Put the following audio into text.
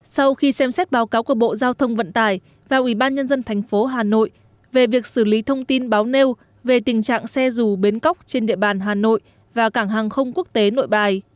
sau khi xem xét báo cáo của bộ giao thông vận tải và ubnd tp hà nội về việc xử lý thông tin báo nêu về tình trạng xe rù bến cóc trên địa bàn hà nội và cảng hàng không quốc tế nội bài